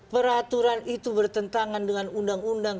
peraturan itu bertentangan dengan undang undang